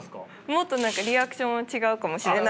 もっと何かリアクションは違うかもしれないですけど。